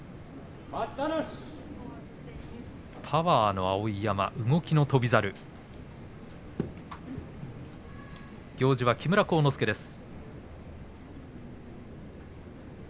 パワーの碧山、動きの翔猿行司は、木村晃之助です。